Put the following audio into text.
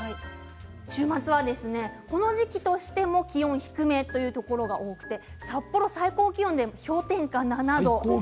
週末はこの時期としても気温低めというところが多くて札幌は最高気温が氷点下７度。